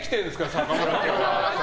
坂村家は。